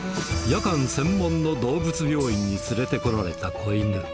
夜間専門の動物病院に連れてこられた子犬。